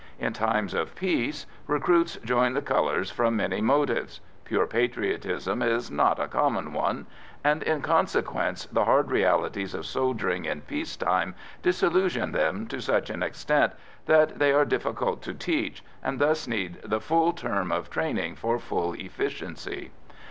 In times of peace, recruits join the colours from many motives pure patriotism is not a common one and, in consequence, the hard realities of soldiering in peace time disillusion them to such an extent that they are difficult to teach, and thus need the full term of training for full efficiency.